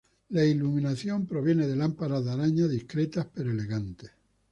La iluminación proviene de lámparas de araña discretas pero elegantes.